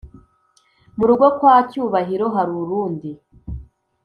murugo kwa cyubahiro hari urundi